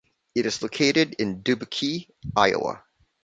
It is located in Dubuque, Iowa.